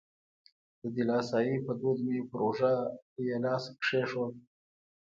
د دلاسایي په دود مې پر اوږه یې لاس کېښود.